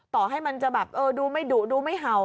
ต่อให้มันจะดูไม่ดุดูไม่เห่า